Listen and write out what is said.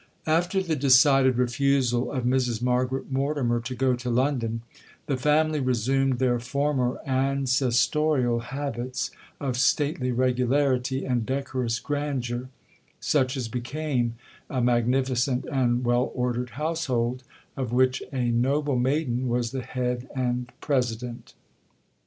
'After the decided refusal of Mrs Margaret Mortimer to go to London, the family resumed their former ancestorial habits of stately regularity, and decorous grandeur, such as became a magnificent and well ordered household, of which a noble maiden was the head and president.